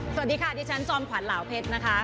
สวัสดีค่ะดิฉันจอมขวัญเหล่าเพชรนะคะ